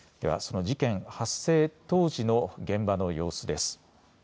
では、その事件発生当時の現場の様子です。